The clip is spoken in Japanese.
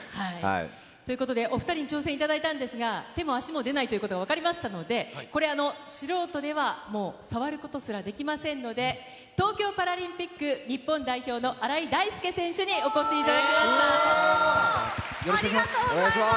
ということで、お２人に挑戦いただいたんですが、手も足も出ないということが分かりましたので、これ、素人ではもう触ることすらできませんので、東京パラリンピック日本代表の荒井大輔選手にお越しいただきましありがとうございます。